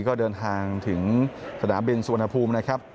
ก็เดินทางถึงสนามบินสุวรรณภูมินะครับ